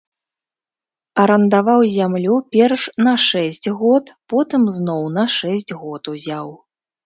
Арандаваў зямлю перш на шэсць год, потым зноў на шэсць год узяў.